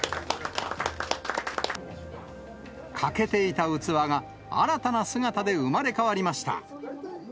欠けていた器が、新たな姿で生まれ変わりました。